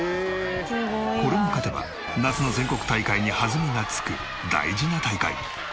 これに勝てば夏の全国大会に弾みがつく大事な大会。